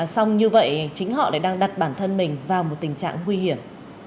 xong như vậy chính họ lại đang đặt bản thân mình vào một tình trạng nguy hiểm